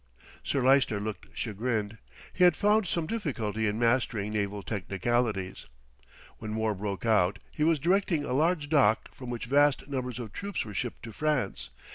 Sir Lyster looked chagrined. He had found some difficulty in mastering naval technicalities. When war broke out he was directing a large dock from which vast numbers of troops were shipped to France.